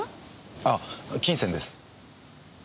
ああ金銭です。